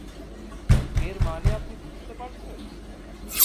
এর মানে আপনি বুঝতে পারছেন?